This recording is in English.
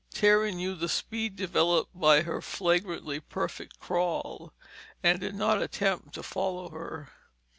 Terry knew the speed developed by her flagrantly perfect crawl, and did not attempt to follow her.